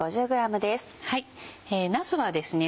なすはですね